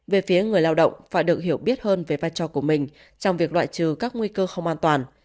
về phía người lao động phải được hiểu biết hơn về vai trò của mình trong việc loại trừ các nguy cơ không an toàn